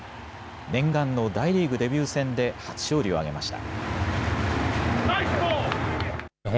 念願の大リーグデビュー戦で初勝利を挙げました。